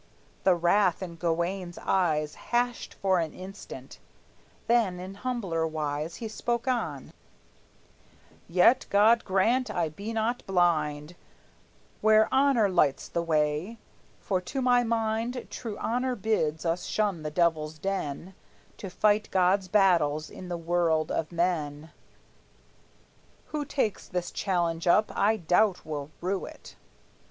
The wrath in Gawayne's eyes Hashed for an instant; then in humbler wise He spoke on: "Yet God grant I be not blind Where honor lights the way; for to my mind True honor bids us shun the devil's den, To fight God's battles in the world of men. Who takes this challenge up, I doubt will rue it."